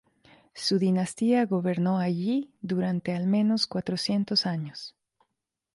Su dinastía gobernó allí durante al menos cuatrocientos años.